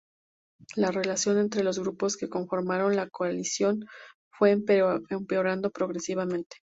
La relación entre los grupos que conformaron la coalición fue empeorando progresivamente.